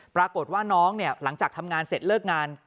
ปรากฏว่าน้องเนี่ยหลังจากทำงานเสร็จเลิกงาน